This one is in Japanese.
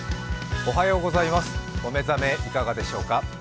お目覚めいかがでしょうか。